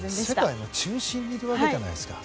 世界の中心にいるわけじゃないですか。